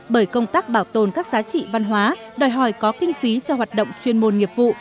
bởi công tác bảo tồn các giá trị văn hóa đòi hỏi có kinh phí cho hoạt động chuyên môn nghiệp vụ